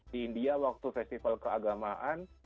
di india waktu festival keagamaan